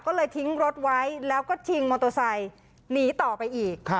ก็เลยทิ้งรถไว้แล้วก็ชิงมอเตอร์ไซค์หนีต่อไปอีก